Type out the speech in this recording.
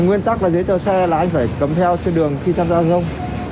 nguyên tắc là giấy tờ xe là anh phải cầm theo trên đường khi tham gia dông